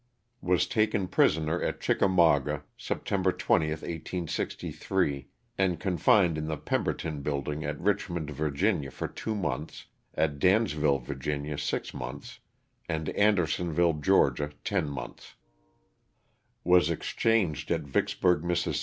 Was taken prisoner at Chickamauga, September 20, 1863, and confined in the Pemberton building at Richmond, Va., for two months, at Dansville, Va., six months, and Anderson ville, Ga., ten months. Was exchanged at Vicksburg, Miss.